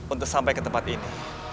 untuk sampai ke tempat ini